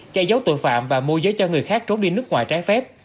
che giấu tội phạm và môi giới cho người khác trốn đi nước ngoài trái phép